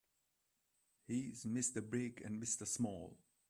He's Mr. Big and Mr. Small.